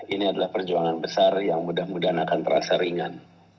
ini adalah perjuangan besar yang mudah mudahan akan terasa ringan